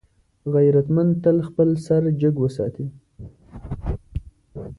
غیرتمند تل خپل سر جګ وساتي